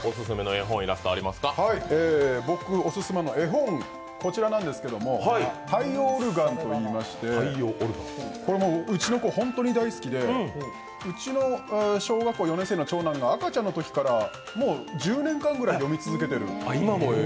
僕オススメの絵本、こちらなんですけれども「たいようオルガン」といいまして、うちの子、本当に大好きでうちの小学校４年生の長男が赤ちゃんのときから、もう１０年間くらい読み続けてる。